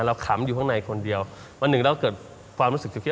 ขำอยู่ข้างในคนเดียววันหนึ่งเราเกิดความรู้สึกคิด